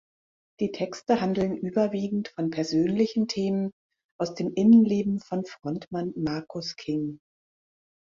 Die Texte handeln überwiegend von persönlichen Themen aus dem Innenleben von Frontmann Marcus King.